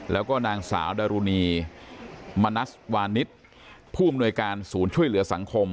แล้วก็นางสาวดารุณีมณัสวานิสผู้อำนวยการศูนย์ช่วยเหลือสังคม